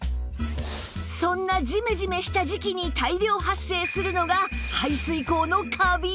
そんなジメジメした時季に大量発生するのが